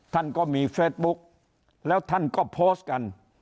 ท่านก็มีเฟซบุ๊กแล้วท่านก็โพสต์กัน